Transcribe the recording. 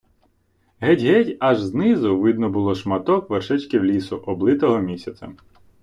Геть-геть аж знизу видно було шматок вершечків лісу, облитого місяцем.